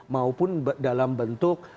maupun dalam bentuk